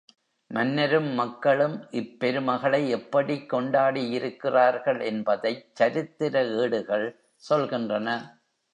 மன்னரும் மக்களும் இப் பெருமகளை எப்படிக் கொண்டாடியிருக்கிறார்கள் என்பதைச் சரித்திர ஏடுகள் சொல்கின்றன.